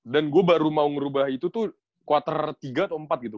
dan gue baru mau ngerubah itu tuh quarter tiga atau empat gitu